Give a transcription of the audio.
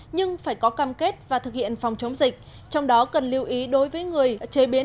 nhưng phải có cam kết và thực hiện phòng chống dịch trong đó cần lưu ý đối với người chế biến